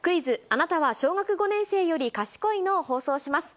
あなたは小学５年生より賢いの？を放送します。